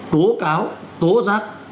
tố cáo tố giác